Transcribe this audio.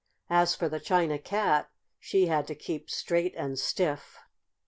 As for the China Cat, she had to keep straight and stiff.